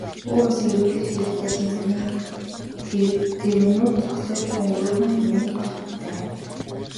Өөр улсын ерөнхийлөгч гэж андуурсан замын тэрэгнүүд зогсож өнгөрөөх нь нэн бахтай.